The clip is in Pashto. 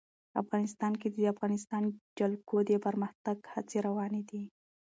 افغانستان کې د د افغانستان جلکو د پرمختګ هڅې روانې دي.